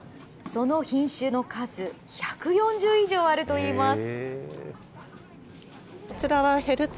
その品種の数、１４０以上あるといいます。